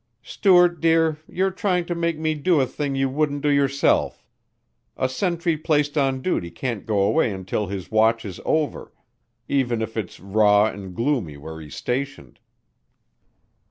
"Stuart, dear, you're trying to make me do a thing you wouldn't do yourself. A sentry placed on duty can't go away until his watch is over even if it's raw and gloomy where's he's stationed."